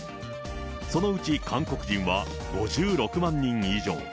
そのうち韓国人は５６万人以上。